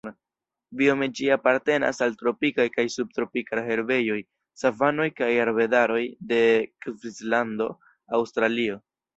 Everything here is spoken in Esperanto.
Biome ĝi apartenas al tropikaj kaj subtropikaj herbejoj, savanoj kaj arbedaroj de Kvinslando, Aŭstralio.